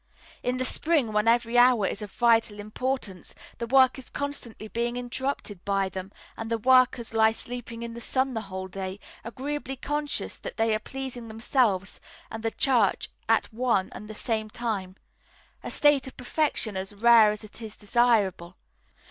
In the spring, when every hour is of vital importance, the work is constantly being interrupted by them, and the workers lie sleeping in the sun the whole day, agreeably conscious that they are pleasing themselves and the Church at one and the same time a state of perfection as rare as it is desirable.